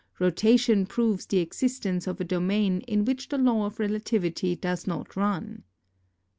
Rotation proves the existence of a domain in which the law of relativity does not run.